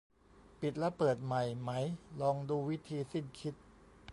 ปิดแล้วเปิดใหม่ไหม ลองดู วิธีสิ้นคิด